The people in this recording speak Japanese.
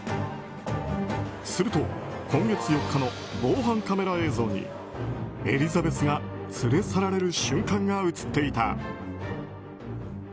すると、今月４日の防犯カメラ映像にエリザベスが連れ去られる瞬間が映っていた。